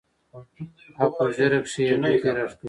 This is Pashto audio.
او پۀ ږيره کښې يې ګوتې راښکلې